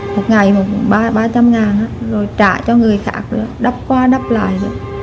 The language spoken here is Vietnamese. một ngày một ba trăm linh ngàn rồi trả cho người khác đắp qua đắp lại